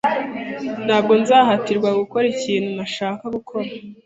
Ntabwo nzahatirwa gukora ikintu ntashaka gukora